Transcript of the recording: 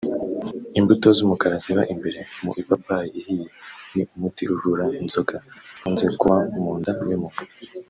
Imbuto z’umukara ziba imbere mu ipapayi ihiye ni umuti uvura inzoka zikunze kuba mu nda y’umuntu